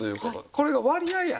これが割合や。